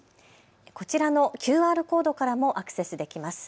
こちらのＱＲコードからもアクセスできます。